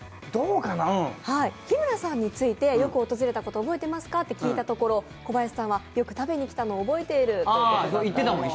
日村さんについて、よく訪れたこと覚えてますかと聞いたら小林さんは、よく食べに来たのを覚えていると。